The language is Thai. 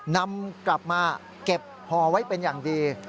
นำกลับมาเก็บห่อไว้เป็นอย่างดี